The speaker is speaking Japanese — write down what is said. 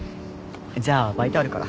じゃあバイトあるから。